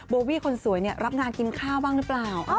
โบวี่คนสวยรับงานกินข้าวบ้างหรือเปล่า